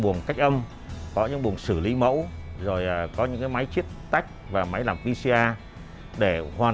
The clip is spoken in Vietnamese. phòng cách âm có những bộ xử lý mẫu rồi có những cái máy chiếc tách và máy làm pcr để hoàn